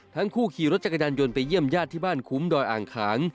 ทั้งคู่ขี่รถจักรยานยนต์ไปเยี่ยมญาติที่บ้านคุ้มดอยอ่างขาง